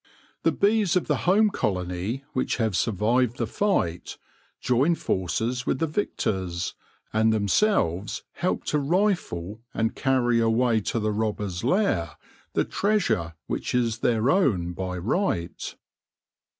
The bees of the home colony which have survived the fight, join forces with the victors, and themselves help to rifle and carry away to the robber's lair the treasure which is their own by right.